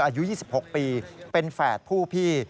อายุ๒๖ปีเป็นแฝดผู้พี่